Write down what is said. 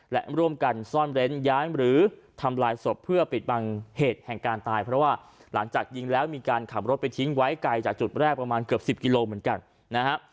และร่วมกันซ่อนเร้นย้ายหรือทำลายศพเพื่อปิดบังเหตุแห่งการตายเพราะว่าหลังจากยิงแล้วมีการขับรถไปทิ้งไว้ไกลจากจุดแรกประมาณเกือบ๑๐กิโลเหมือนกันนะฮะ